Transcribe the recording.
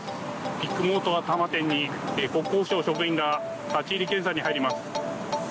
ビッグモーター多摩店に国交省の職員が立ち入り検査に入ります。